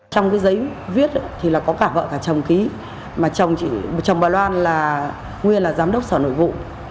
trong cái giấy viết thì là có cả vợ cả chồng ký mà chồng bà loan là nguyên là giám đốc sở nội vụ